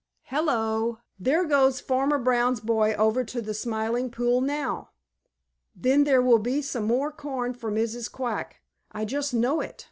"Hello! There goes Farmer Brown's boy over to the Smiling Pool now." "Then there will be some more corn for Mrs. Quack. I just know it!"